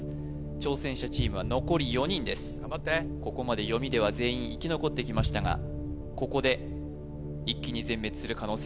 挑戦者チームは残り４人です頑張ってここまで読みでは全員生き残ってきましたがここで一気に全滅する可能性もあります